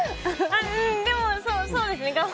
でも、そうですね。